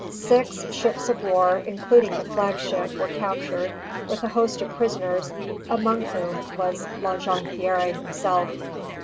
Six ships of war, including the flag ship, were captured, with a host of prisoners, among whom was La Jonquière himself.